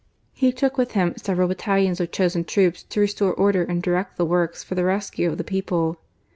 He took with him several battalions of .chosen troops to restore order and direct the works for the rescue of the people.